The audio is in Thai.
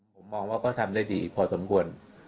ผมมองว่าก็ทำได้ดีพอสมควร